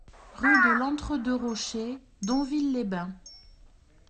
Rue de l'Entre Deux Rochers, Donville-les-Bains